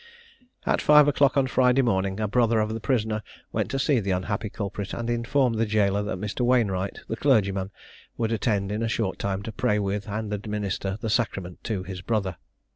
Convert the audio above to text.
At five o'clock on Friday morning a brother of the prisoner went to see the unhappy culprit, and informed the jailor that Mr. Wainwright, the clergyman, would attend in a short time to pray with and administer the sacrament to his brother.